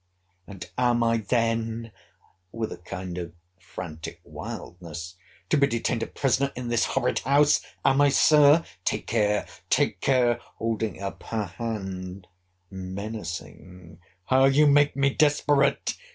And am I then, [with a kind of frantic wildness,] to be detained a prisoner in this horrid house—am I, Sir?—Take care! take care! holding up her hand, menacing, how you make me desperate!